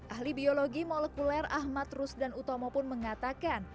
ahli biologi molekuler ahmad rusdan utomo pun mengatakan